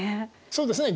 そうですね。